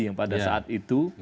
yang pada saat itu